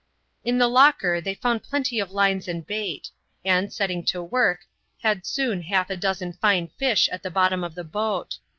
In the locker they found plenty of lines and bait, and, setting to work, had soon half a dozen fine fish at the bottom of the boat.